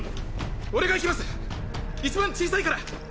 俺が行きます一番小さいから！